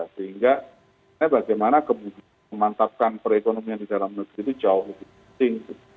sehingga bagaimana kemudian memantapkan perekonomian di dalam negeri itu jauh lebih penting